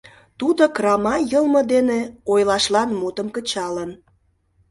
Тудо “крама” йылме дене ойлашлан мутым кычалын.